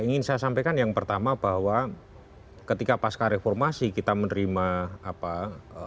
ingin saya sampaikan yang pertama bahwa ketika pasca reformasi kita menerima apa